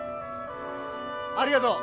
ありがとう。